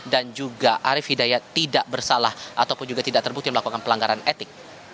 dan juga arief hidayat tidak bersalah ataupun juga tidak terbukti melakukan pelanggaran etik